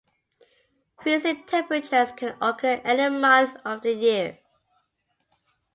Freezing temperatures can occur any month of the year.